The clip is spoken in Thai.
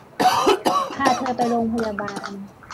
พาเธอไปโรงพยาบาล